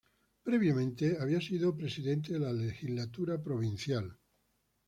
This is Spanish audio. Previamente había sido presidente de la legislatura provincial.